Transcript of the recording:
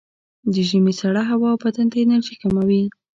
د ژمي سړه هوا بدن ته انرژي کموي.